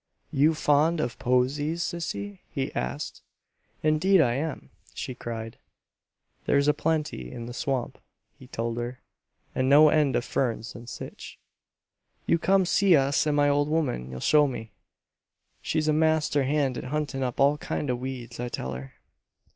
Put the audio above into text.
"You fond of posies, sissy?" he asked. "Indeed I am!" she cried. "There's a plenty in the swamp," he told her. "And no end of ferns and sich. You come see us and my old woman'll show ye. She's a master hand at huntin' up all kind o' weeds I tell her."